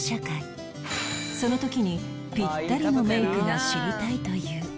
その時にピッタリのメイクが知りたいという